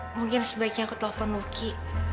mungkin sebaiknya aku telepon luki